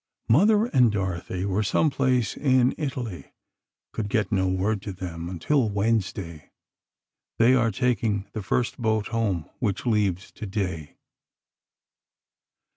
Mother and Dorothy were some place in Italy—could get no word to them until Wednesday. They are taking the first boat home, which leaves today.